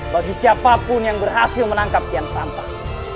bagi siapa pun yang berhasil menangkap kian santang